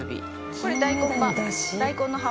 これ、大根葉。